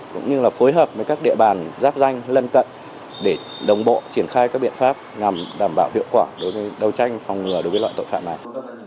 cũng như là phối hợp với các địa bàn giáp danh lân cận để đồng bộ triển khai các biện pháp nhằm đảm bảo hiệu quả đối với đấu tranh phòng ngừa đối với loại tội phạm này